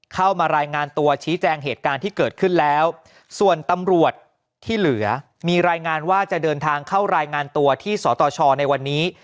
เข้ามารายงานตัวชี้แจงเหตุการณ์ที่เกิดขึ้นแล้วส่วนตำรวจที่เหลือมีรายงานว่าจะเดินทางเข้ารายงานตัวที่สตชในวันนี้